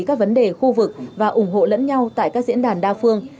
các vấn đề khu vực và ủng hộ lẫn nhau tại các diễn đàn đa phương